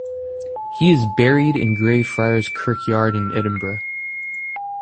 He is buried in Greyfriars Kirkyard in Edinburgh.